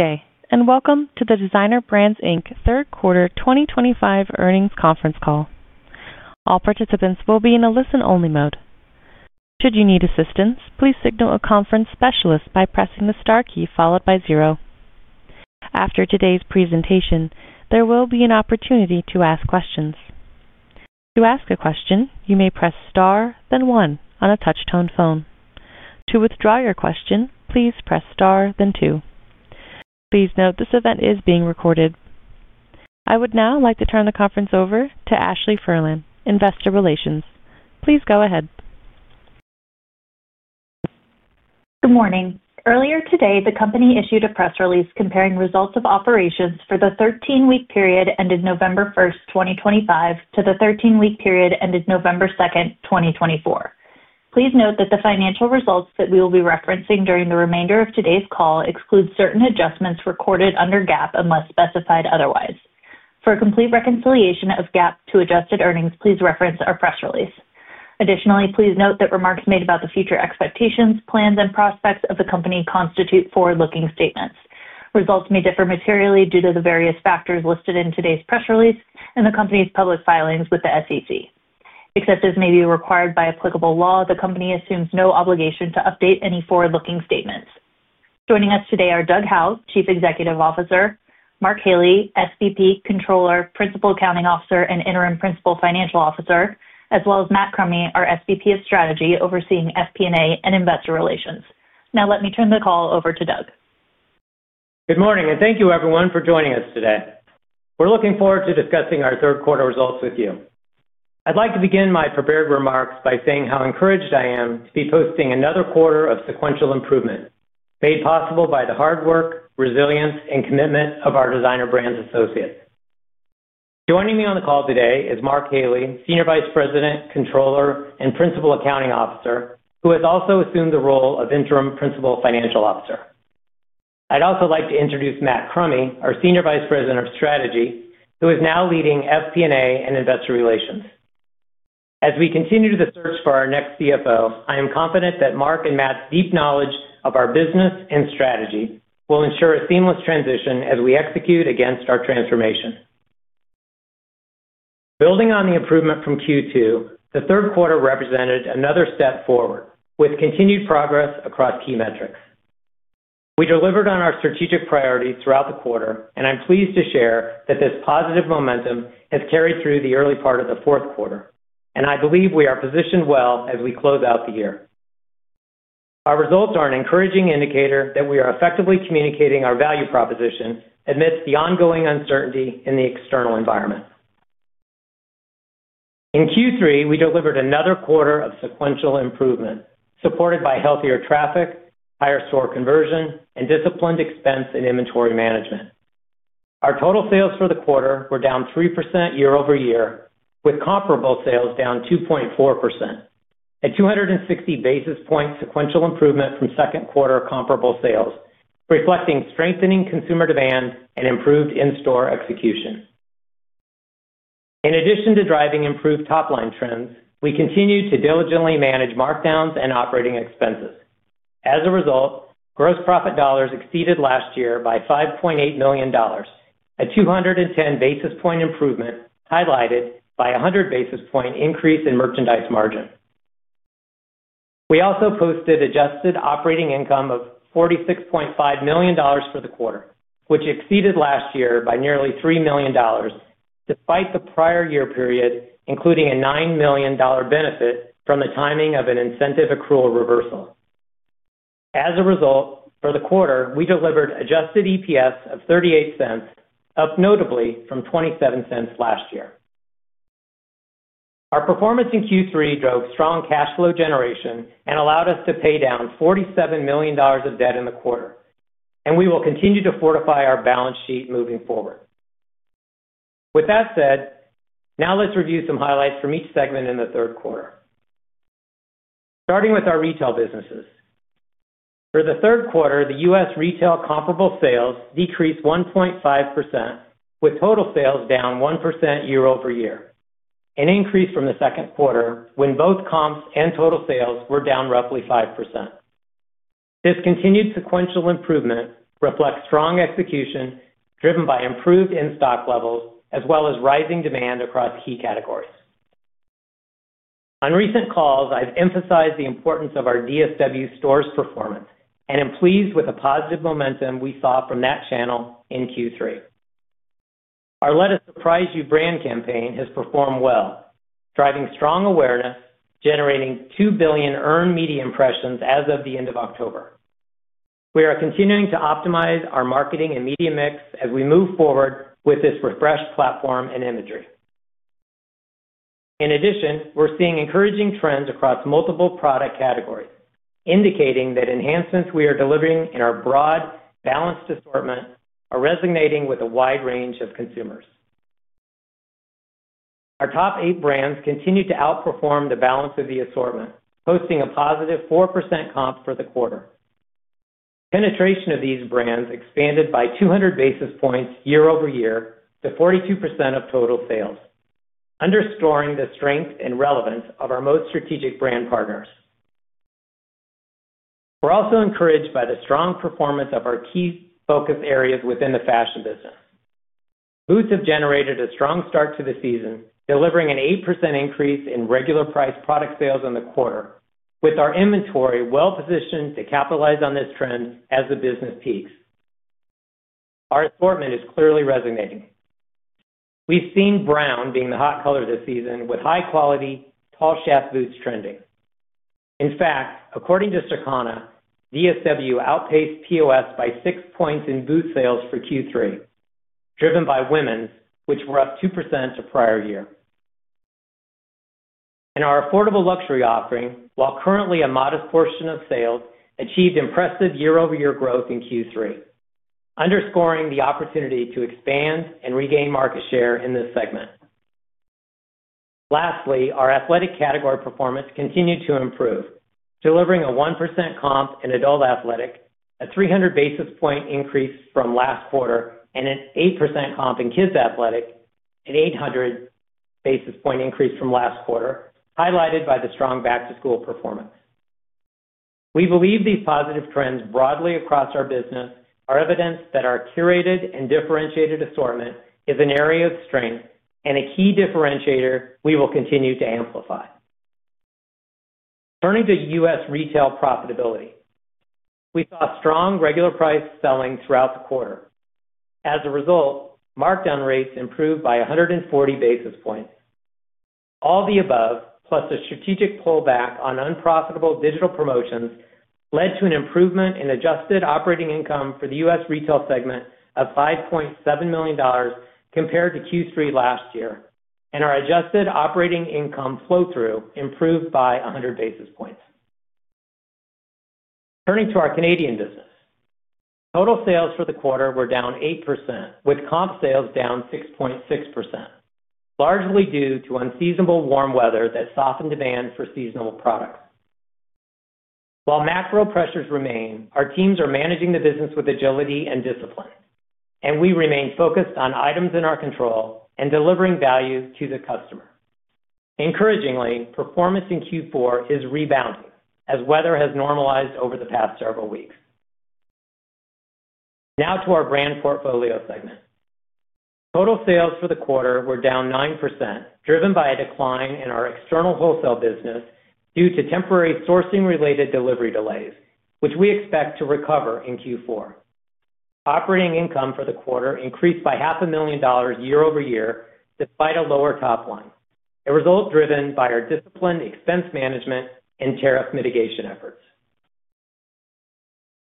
Okay. And welcome to the Designer Brands Inc. Third Quarter 2025 Earnings Conference Call. All participants will be in a listen-only mode. Should you need assistance, please signal a conference specialist by pressing the star key followed by 0. After today's presentation, there will be an opportunity to ask questions. To ask a question, you may press star, then one on a touch-tone phone. To withdraw your question, please press star, then 2. Please note this event is being recorded. I would now like to turn the conference over to Ashley Firlan, Investor Relations. Please go ahead. Good morning. Earlier today, the company issued a press release comparing results of operations for the 13-week period ended November 1st, 2025, to the 13-week period ended November 2nd, 2024. Please note that the financial results that we will be referencing during the remainder of today's call exclude certain adjustments recorded under GAAP unless specified otherwise. For a complete reconciliation of GAAP to adjusted earnings, please reference our press release. Additionally, please note that remarks made about the future expectations, plans, and prospects of the company constitute forward-looking statements. Results may differ materially due to the various factors listed in today's press release and the company's public filings with the SEC. Except as may be required by applicable law, the company assumes no obligation to update any forward-looking statements. Joining us today are Doug Howe, Chief Executive Officer, Mark Haley, SVP Controller, Principal Accounting Officer, and Interim Principal Financial Officer, as well as Matt Crummy, our SVP of Strategy overseeing FP&A and Investor Relations. Now, let me turn the call over to Doug. Good morning, and thank you, everyone, for joining us today. We're looking forward to discussing our third quarter results with you. I'd like to begin my prepared remarks by saying how encouraged I am to be posting another quarter of sequential improvement made possible by the hard work, resilience, and commitment of our Designer Brands associates. Joining me on the call today is Mark Haley, Senior Vice President, Controller, and Principal Accounting Officer, who has also assumed the role of Interim Principal Financial Officer. I'd also like to introduce Matt Crummy, our Senior Vice President of Strategy, who is now leading FP&A and Investor Relations. As we continue to search for our next CFO, I am confident that Mark and Matt's deep knowledge of our business and strategy will ensure a seamless transition as we execute against our transformation. Building on the improvement from Q2, the third quarter represented another step forward with continued progress across key metrics. We delivered on our strategic priorities throughout the quarter, and I'm pleased to share that this positive momentum has carried through the early part of the fourth quarter, and I believe we are positioned well as we close out the year. Our results are an encouraging indicator that we are effectively communicating our value proposition amidst the ongoing uncertainty in the external environment. In Q3, we delivered another quarter of sequential improvement supported by healthier traffic, higher store conversion, and disciplined expense and inventory management. Our total sales for the quarter were down 3% year-over-year, with comparable sales down 2.4%, a 260 basis points sequential improvement from second quarter comparable sales, reflecting strengthening consumer demand and improved in-store execution. In addition to driving improved top-line trends, we continue to diligently manage markdowns and operating expenses. As a result, gross profit dollars exceeded last year by $5.8 million, a 210 basis point improvement highlighted by a 100 basis point increase in merchandise margin. We also posted adjusted operating income of $46.5 million for the quarter, which exceeded last year by nearly $3 million, despite the prior year period including a $9 million benefit from the timing of an incentive accrual reversal. As a result, for the quarter, we delivered adjusted EPS of $0.38, up notably from $0.27 last year. Our performance in Q3 drove strong cash flow generation and allowed us to pay down $47 million of debt in the quarter, and we will continue to fortify our balance sheet moving forward. With that said, now let's review some highlights from each segment in the third quarter. Starting with our retail businesses. For the third quarter, the U.S. retail comparable sales decreased 1.5%, with total sales down 1% year-over-year, an increase from the second quarter when both comps and total sales were down roughly 5%. This continued sequential improvement reflects strong execution driven by improved in-stock levels as well as rising demand across key categories. On recent calls, I've emphasized the importance of our DSW stores' performance and am pleased with the positive momentum we saw from that channel in Q3. Our "Let Us Surprise You" brand campaign has performed well, driving strong awareness, generating 2 billion earned media impressions as of the end of October. We are continuing to optimize our marketing and media mix as we move forward with this refreshed platform and imagery. In addition, we're seeing encouraging trends across multiple product categories, indicating that enhancements we are delivering in our broad, balanced assortment are resonating with a wide range of consumers. Our top eight brands continue to outperform the balance of the assortment, posting a positive 4% comp for the quarter. Penetration of these brands expanded by 200 basis points year-over-year to 42% of total sales, underscoring the strength and relevance of our most strategic brand partners. We're also encouraged by the strong performance of our key focus areas within the fashion business. Boots have generated a strong start to the season, delivering an 8% increase in regular price product sales in the quarter, with our inventory well-positioned to capitalize on this trend as the business peaks. Our assortment is clearly resonating. We've seen brown being the hot color this season, with high-quality, tall shaft boots trending. In fact, according to Circana, DSW outpaced POS by six points in boot sales for Q3, driven by women's, which were up 2% to prior year. And our affordable luxury offering, while currently a modest portion of sales, achieved impressive year-over-year growth in Q3, underscoring the opportunity to expand and regain market share in this segment. Lastly, our athletic category performance continued to improve, delivering a 1% comp in adult athletic, a 300 basis point increase from last quarter, and an 8% comp in kids' athletic, an 800 basis point increase from last quarter, highlighted by the strong back-to-school performance. We believe these positive trends broadly across our business are evidence that our curated and differentiated assortment is an area of strength and a key differentiator we will continue to amplify. Turning to U.S. retail profitability, we saw strong regular price selling throughout the quarter. As a result, markdown rates improved by 140 basis points. All the above, plus the strategic pullback on unprofitable digital promotions, led to an improvement in adjusted operating income for the U.S. retail segment of $5.7 million compared to Q3 last year, and our adjusted operating income flow-through improved by 100 basis points. Turning to our Canadian business, total sales for the quarter were down 8%, with comp sales down 6.6%, largely due to unseasonable warm weather that softened demand for seasonal products. While macro pressures remain, our teams are managing the business with agility and discipline, and we remain focused on items in our control and delivering value to the customer. Encouragingly, performance in Q4 is rebounding as weather has normalized over the past several weeks. Now to our brand portfolio segment. Total sales for the quarter were down 9%, driven by a decline in our external wholesale business due to temporary sourcing-related delivery delays, which we expect to recover in Q4. Operating income for the quarter increased by $500,000 year-over-year despite a lower top line, a result driven by our disciplined expense management and tariff mitigation efforts.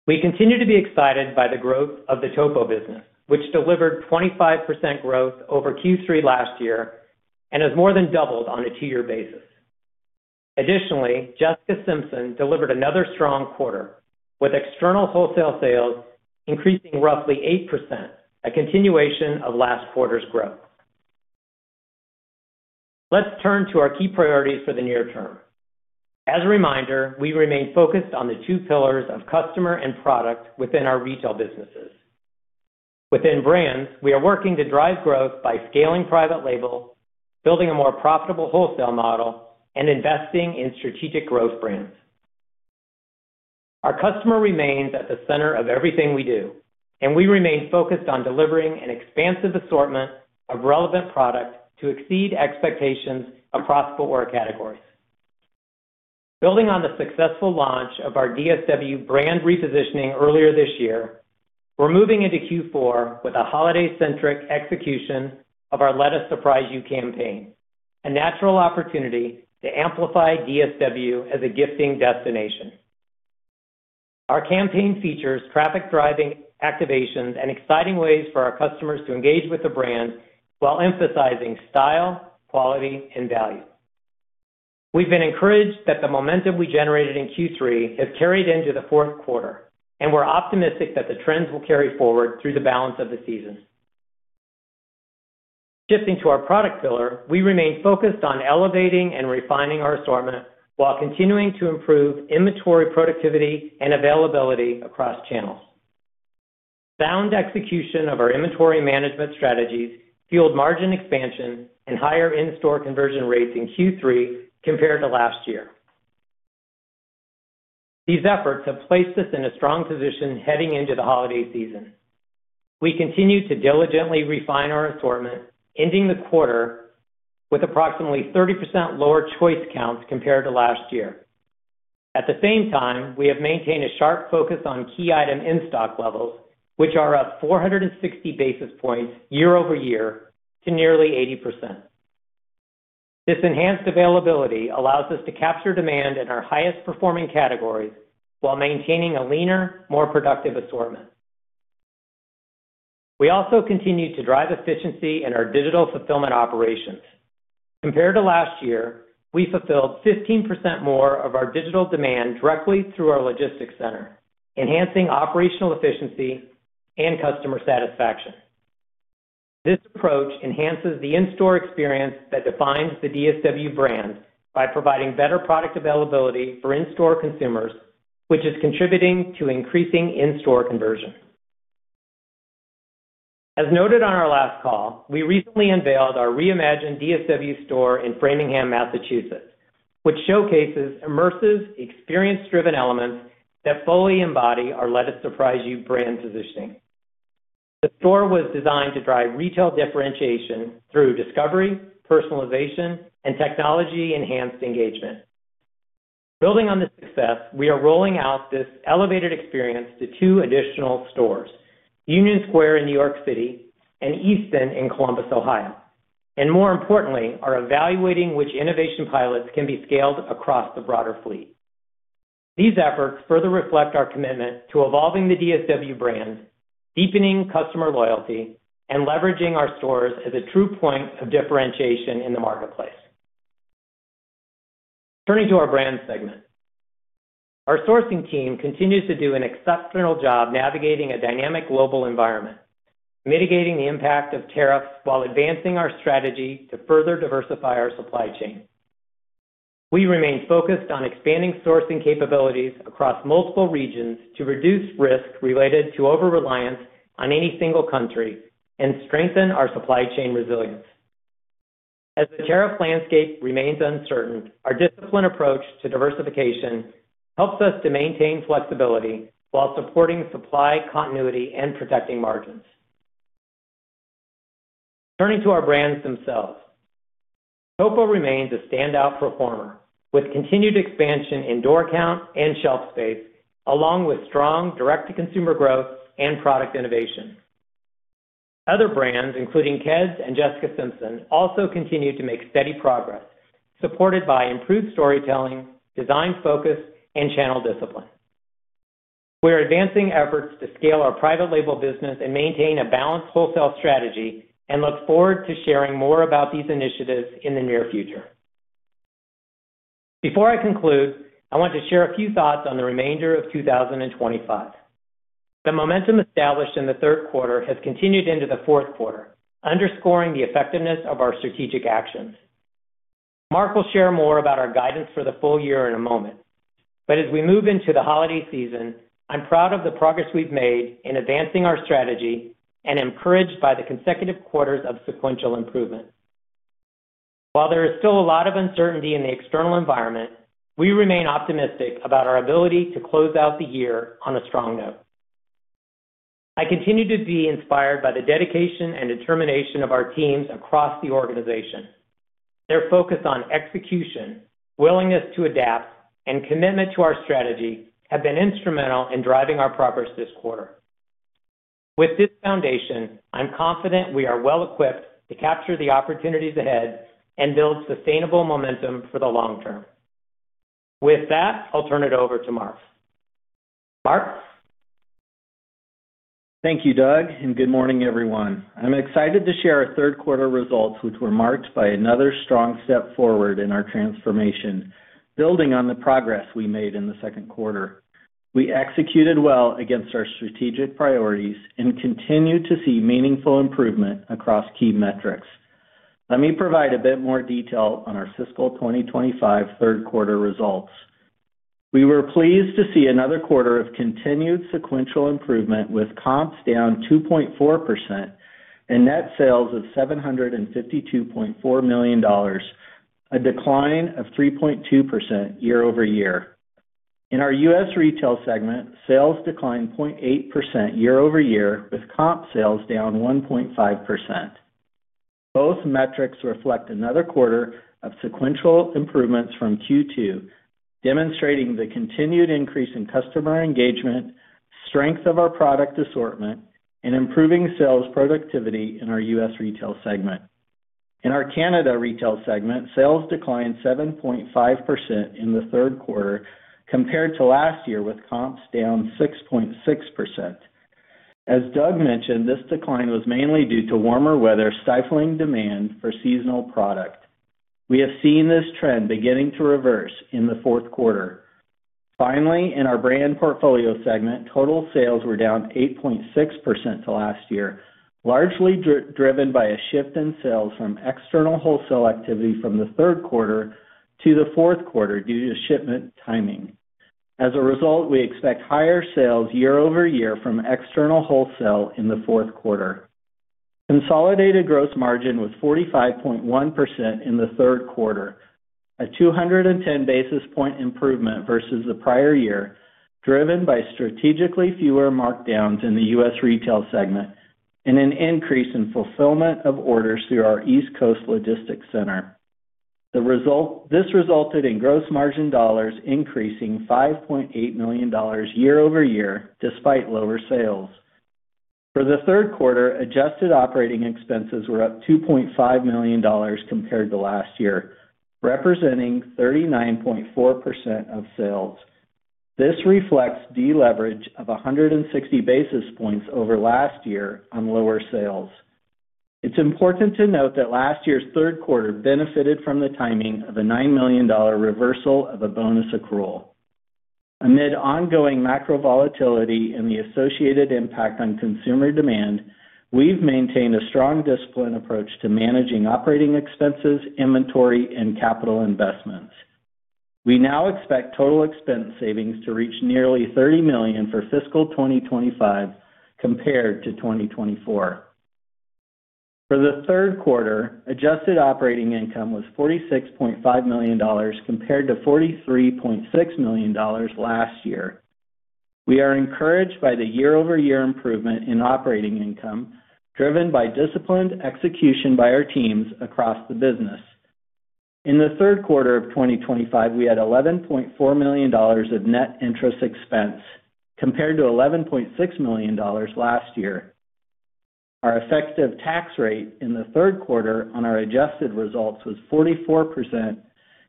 We continue to be excited by the growth of the Topo business, which delivered 25% growth over Q3 last year and has more than doubled on a two-year basis. Additionally, Jessica Simpson delivered another strong quarter, with external wholesale sales increasing roughly 8%, a continuation of last quarter's growth. Let's turn to our key priorities for the near term. As a reminder, we remain focused on the two pillars of customer and product within our retail businesses. Within brands, we are working to drive growth by scaling private label, building a more profitable wholesale model, and investing in strategic growth brands. Our customer remains at the center of everything we do, and we remain focused on delivering an expansive assortment of relevant product to exceed expectations across four categories. Building on the successful launch of our DSW brand repositioning earlier this year, we're moving into Q4 with a holiday-centric execution of our "Let Us Surprise You" campaign, a natural opportunity to amplify DSW as a gifting destination. Our campaign features traffic driving activations and exciting ways for our customers to engage with the brand while emphasizing style, quality, and value. We've been encouraged that the momentum we generated in Q3 has carried into the fourth quarter, and we're optimistic that the trends will carry forward through the balance of the season. Shifting to our product pillar, we remain focused on elevating and refining our assortment while continuing to improve inventory productivity and availability across channels. Sound execution of our inventory management strategies fueled margin expansion and higher in-store conversion rates in Q3 compared to last year. These efforts have placed us in a strong position heading into the holiday season. We continue to diligently refine our assortment, ending the quarter with approximately 30% lower choice counts compared to last year. At the same time, we have maintained a sharp focus on key item in-stock levels, which are up 460 basis points year-over-year to nearly 80%. This enhanced availability allows us to capture demand in our highest-performing categories while maintaining a leaner, more productive assortment. We also continue to drive efficiency in our digital fulfillment operations. Compared to last year, we fulfilled 15% more of our digital demand directly through our logistics center, enhancing operational efficiency and customer satisfaction. This approach enhances the in-store experience that defines the DSW brand by providing better product availability for in-store consumers, which is contributing to increasing in-store conversion. As noted on our last call, we recently unveiled our reimagined DSW store in Framingham, Massachusetts, which showcases immersive, experience-driven elements that fully embody our "Let Us Surprise You" brand positioning. The store was designed to drive retail differentiation through discovery, personalization, and technology-enhanced engagement. Building on this success, we are rolling out this elevated experience to two additional stores, Union Square in New York City and Easton in Columbus, Ohio, and more importantly, are evaluating which innovation pilots can be scaled across the broader fleet. These efforts further reflect our commitment to evolving the DSW brand, deepening customer loyalty, and leveraging our stores as a true point of differentiation in the marketplace. Turning to our brand segment, our sourcing team continues to do an exceptional job navigating a dynamic global environment, mitigating the impact of tariffs while advancing our strategy to further diversify our supply chain. We remain focused on expanding sourcing capabilities across multiple regions to reduce risk related to over-reliance on any single country and strengthen our supply chain resilience. As the tariff landscape remains uncertain, our disciplined approach to diversification helps us to maintain flexibility while supporting supply continuity and protecting margins. Turning to our brands themselves, Topo remains a standout performer with continued expansion in door count and shelf space, along with strong direct-to-consumer growth and product innovation. Other brands, including Keds and Jessica Simpson, also continue to make steady progress, supported by improved storytelling, design focus, and channel discipline. We are advancing efforts to scale our private label business and maintain a balanced wholesale strategy and look forward to sharing more about these initiatives in the near future. Before I conclude, I want to share a few thoughts on the remainder of 2025. The momentum established in the third quarter has continued into the fourth quarter, underscoring the effectiveness of our strategic actions. Mark will share more about our guidance for the full year in a moment, but as we move into the holiday season, I'm proud of the progress we've made in advancing our strategy and encouraged by the consecutive quarters of sequential improvement. While there is still a lot of uncertainty in the external environment, we remain optimistic about our ability to close out the year on a strong note. I continue to be inspired by the dedication and determination of our teams across the organization. Their focus on execution, willingness to adapt, and commitment to our strategy have been instrumental in driving our progress this quarter. With this foundation, I'm confident we are well-equipped to capture the opportunities ahead and build sustainable momentum for the long term. With that, I'll turn it over to Mark. Mark? Thank you, Doug, and good morning, everyone. I'm excited to share our third quarter results, which were marked by another strong step forward in our transformation, building on the progress we made in the second quarter. We executed well against our strategic priorities and continue to see meaningful improvement across key metrics. Let me provide a bit more detail on our fiscal 2025 third quarter results. We were pleased to see another quarter of continued sequential improvement, with comps down 2.4% and net sales of $752.4 million, a decline of 3.2% year-over-year. In our U.S. retail segment, sales declined 0.8% year-over-year, with comp sales down 1.5%. Both metrics reflect another quarter of sequential improvements from Q2, demonstrating the continued increase in customer engagement, strength of our product assortment, and improving sales productivity in our U.S. retail segment. In our Canada retail segment, sales declined 7.5% in the third quarter compared to last year, with comps down 6.6%. As Doug Howe mentioned, this decline was mainly due to warmer weather stifling demand for seasonal product. We have seen this trend beginning to reverse in the fourth quarter. Finally, in our brand portfolio segment, total sales were down 8.6% to last year, largely driven by a shift in sales from external wholesale activity from the third quarter to the fourth quarter due to shipment timing. As a result, we expect higher sales year-over-year from external wholesale in the fourth quarter. Consolidated gross margin was 45.1% in the third quarter, a 210 basis point improvement versus the prior year, driven by strategically fewer markdowns in the U.S. retail segment and an increase in fulfillment of orders through our East Coast Logistics Center. This resulted in gross margin dollars increasing $5.8 million year-over-year despite lower sales. For the third quarter, adjusted operating expenses were up $2.5 million compared to last year, representing 39.4% of sales. This reflects deleverage of 160 basis points over last year on lower sales. It's important to note that last year's third quarter benefited from the timing of a $9 million reversal of a bonus accrual. Amid ongoing macro volatility and the associated impact on consumer demand, we've maintained a strong discipline approach to managing operating expenses, inventory, and capital investments. We now expect total expense savings to reach nearly $30 million for fiscal 2025 compared to 2024. For the third quarter, adjusted operating income was $46.5 million compared to $43.6 million last year. We are encouraged by the year-over-year improvement in operating income, driven by disciplined execution by our teams across the business. In the third quarter of 2025, we had $11.4 million of net interest expense compared to $11.6 million last year. Our effective tax rate in the third quarter on our adjusted results was 44%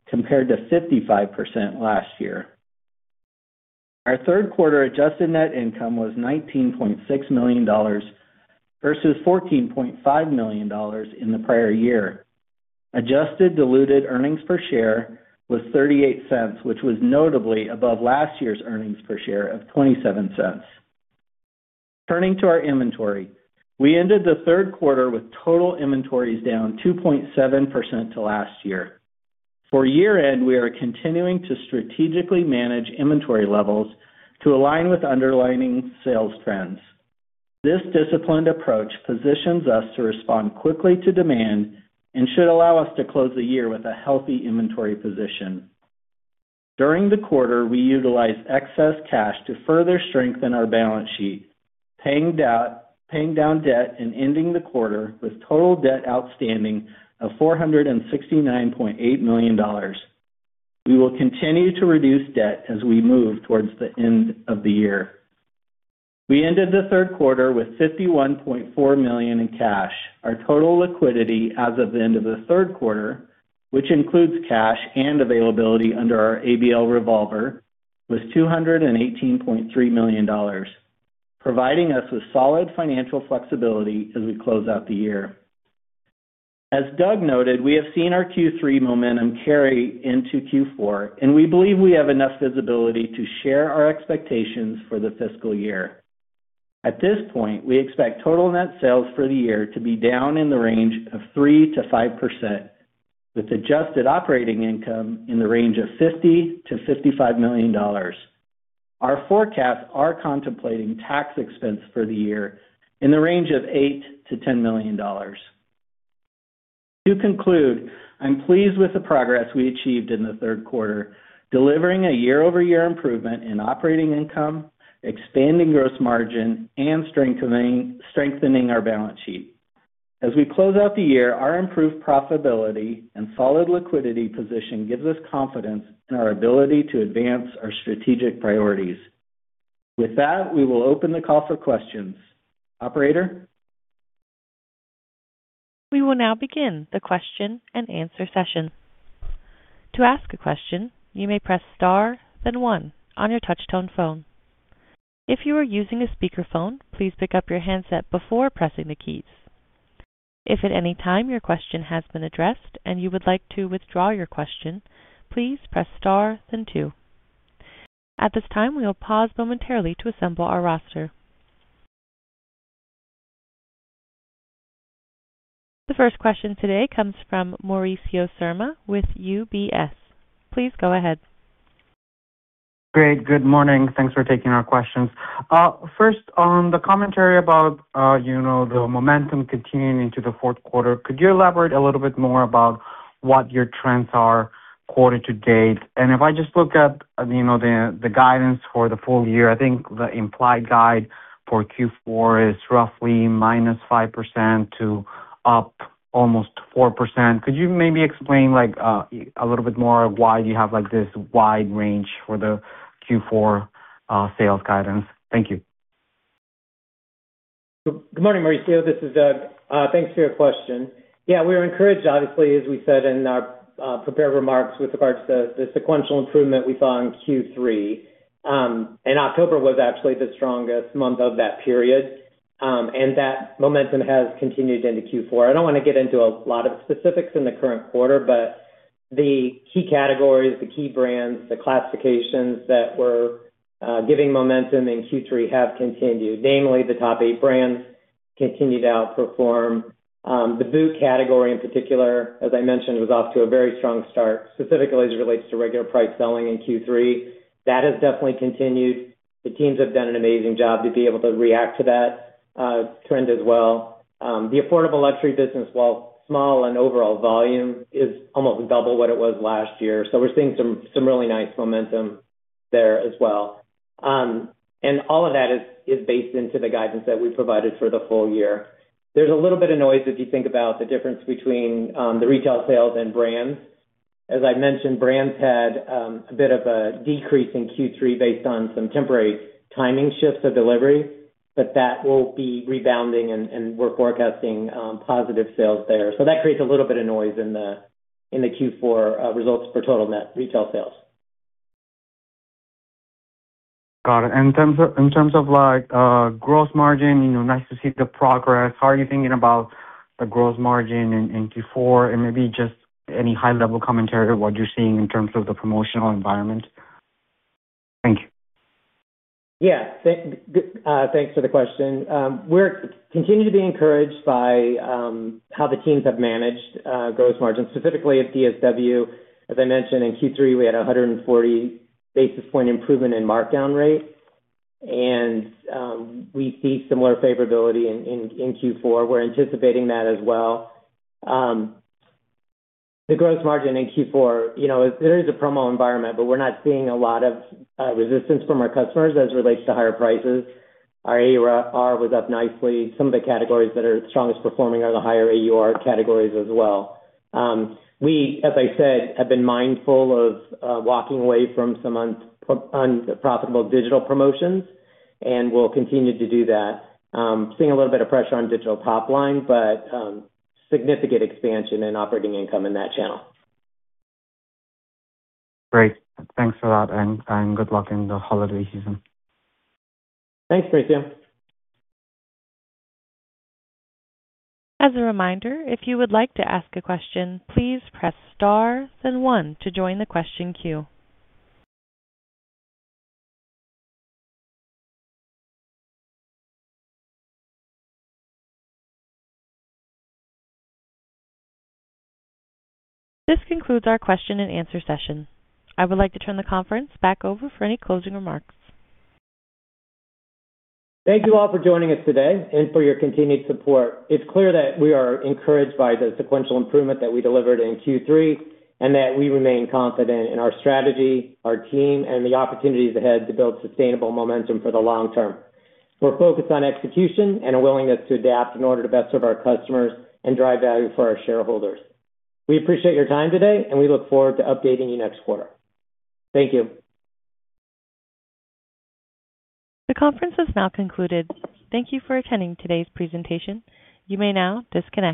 compared to 55% last year. Our third quarter adjusted net income was $19.6 million versus $14.5 million in the prior year. Adjusted diluted earnings per share was $0.38, which was notably above last year's earnings per share of $0.27. Turning to our inventory, we ended the third quarter with total inventories down 2.7% to last year. For year-end, we are continuing to strategically manage inventory levels to align with underlying sales trends. This disciplined approach positions us to respond quickly to demand and should allow us to close the year with a healthy inventory position. During the quarter, we utilized excess cash to further strengthen our balance sheet, paying down debt and ending the quarter with total debt outstanding of $469.8 million. We will continue to reduce debt as we move towards the end of the year. We ended the third quarter with $51.4 million in cash. Our total liquidity as of the end of the third quarter, which includes cash and availability under our ABL revolver, was $218.3 million, providing us with solid financial flexibility as we close out the year. As Doug noted, we have seen our Q3 momentum carry into Q4, and we believe we have enough visibility to share our expectations for the fiscal year. At this point, we expect total net sales for the year to be down in the range of 3%-5%, with adjusted operating income in the range of $50 million-$55 million. Our forecasts are contemplating tax expense for the year in the range of $8 million-$10 million. To conclude, I'm pleased with the progress we achieved in the third quarter, delivering a year-over-year improvement in operating income, expanding gross margin, and strengthening our balance sheet. As we close out the year, our improved profitability and solid liquidity position gives us confidence in our ability to advance our strategic priorities. With that, we will open the call for questions. Operator? We will now begin the question-and-answer session. To ask a question, you may press star, then 1 on your touchtone phone. If you are using a speakerphone, please pick up your handset before pressing the keys. If at any time your question has been addressed and you would like to withdraw your question, please press star, then 2. At this time, we will pause momentarily to assemble our roster. The first question today comes from Mauricio Serna with UBS. Please go ahead. Great. Good morning. Thanks for taking our questions. First, on the commentary about the momentum continuing into the fourth quarter, could you elaborate a little bit more about what your trends are quarter to date? And if I just look at the guidance for the full year, I think the implied guide for Q4 is roughly minus 5% to up almost 4%. Could you maybe explain a little bit more of why you have this wide range for the Q4 sales guidance? Thank you. Good morning, Mauricio. This is Doug. Thanks for your question. Yeah, we were encouraged, obviously, as we said in our prepared remarks with regards to the sequential improvement we saw in Q3. And October was actually the strongest month of that period, and that momentum has continued into Q4. I don't want to get into a lot of specifics in the current quarter, but the key categories, the key brands, the classifications that were giving momentum in Q3 have continued. Namely, the top eight brands continued to outperform. The boot category, in particular, as I mentioned, was off to a very strong start, specifically as it relates to regular price selling in Q3. That has definitely continued. The teams have done an amazing job to be able to react to that trend as well. The affordable luxury business, while small in overall volume, is almost double what it was last year. So we're seeing some really nice momentum there as well. And all of that is based into the guidance that we provided for the full year. There's a little bit of noise if you think about the difference between the retail sales and brands. As I mentioned, brands had a bit of a decrease in Q3 based on some temporary timing shifts of delivery, but that will be rebounding, and we're forecasting positive sales there. So that creates a little bit of noise in the Q4 results for total net retail sales. Got it. In terms of gross margin, nice to see the progress. How are you thinking about the gross margin in Q4? And maybe just any high-level commentary of what you're seeing in terms of the promotional environment? Thank you. Yeah. Thanks for the question. We're continuing to be encouraged by how the teams have managed gross margin, specifically at DSW. As I mentioned, in Q3, we had a 140 basis point improvement in markdown rate, and we see similar favorability in Q4. We're anticipating that as well. The gross margin in Q4, there is a promo environment, but we're not seeing a lot of resistance from our customers as it relates to higher prices. Our AUR was up nicely. Some of the categories that are strongest performing are the higher AUR categories as well. We, as I said, have been mindful of walking away from some unprofitable digital promotions and will continue to do that. Seeing a little bit of pressure on digital top line, but significant expansion in operating income in that channel. Great. Thanks for that, and good luck in the holiday season. Thanks, Mauricio. As a reminder, if you would like to ask a question, please press star, then 1 to join the question queue. This concludes our question-and-answer session. I would like to turn the conference back over for any closing remarks. Thank you all for joining us today and for your continued support. It's clear that we are encouraged by the sequential improvement that we delivered in Q3 and that we remain confident in our strategy, our team, and the opportunities ahead to build sustainable momentum for the long term. We're focused on execution and a willingness to adapt in order to best serve our customers and drive value for our shareholders. We appreciate your time today, and we look forward to updating you next quarter. Thank you. The conference has now concluded. Thank you for attending today's presentation. You may now disconnect.